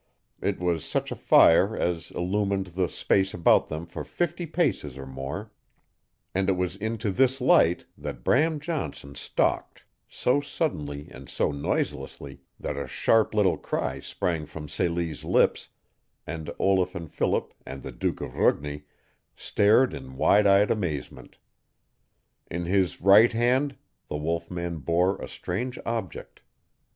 It was such a fire as illumined the space about them for fifty paces or more, and it was into this light that Bram Johnson stalked, so suddenly and so noiselessly that a sharp little cry sprang from Celie's lips, and Olaf and Philip and the Duke of Rugni stared in wide eyed amazement. In his right hand the wolf man bore a strange object.